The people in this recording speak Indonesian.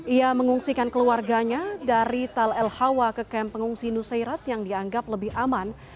ia mengungsikan keluarganya dari tal el hawa ke kamp pengungsi nusairat yang dianggap lebih aman